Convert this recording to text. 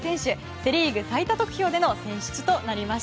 セ・リーグ最多得票での選出です。